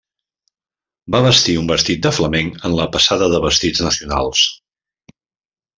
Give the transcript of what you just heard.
Va vestir un vestit de flamenc en la passada de vestits nacionals.